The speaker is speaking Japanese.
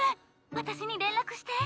私に連絡して。